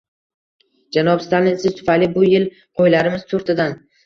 “Janob Stalin siz tufayli bu yil qo’ylarimiz to’rttadan…